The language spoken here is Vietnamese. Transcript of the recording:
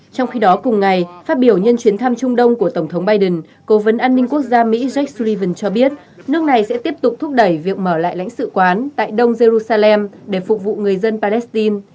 trong khi đó cùng ngày phát biểu nhân chuyến thăm trung đông của tổng thống biden cố vấn an ninh quốc gia mỹ jake sullivan cho biết nước này sẽ tiếp tục thúc đẩy việc mở lại lãnh sự quán tại đông jerusalem để phục vụ người dân palestine